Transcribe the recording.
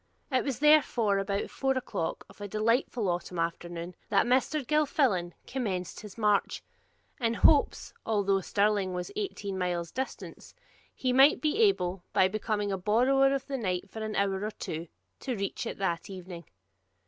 It was therefore about four o'clock of a delightful autumn afternoon that Mr. Gilfillan commenced his march, in hopes, although Stirling was eighteen miles distant, he might be able, by becoming a borrower of the night for an hour or two, to reach it that evening.